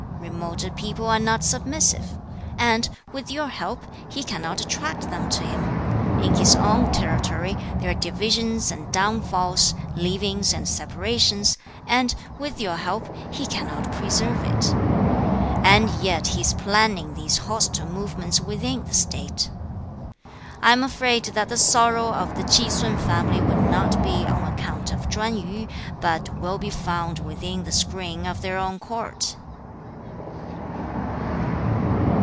Remoter people are not submissive, and, with your help, he cannot attract them to him. In his own territory there are divisions and downfalls, leavings and separations, and, with your help, he cannot preserve it. 13. 'And yet he is planning these hostile movements within the State. I am afraid that the sorrow of the Chi sun family will not be on account of Chwan yu, but will be found within the screen of their own court.'